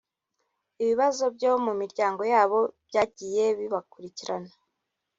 ibibazo byo mumiryango yabo byagiye bibakurikirana